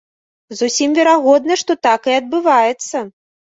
Зусім верагодна, што так і адбываецца.